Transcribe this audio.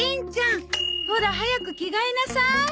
ほら早く着替えなさい。